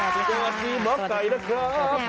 สวัสดีค่ะสวัสดีค่ะสวัสดีค่ะ